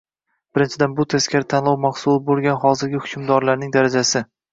Birinchidan, bu teskari tanlov mahsuli bo'lgan hozirgi hukmdorlarning darajasi